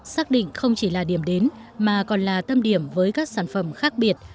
xác định không chỉ là điểm đến mà còn là tâm điểm với các sản phẩm khác biệt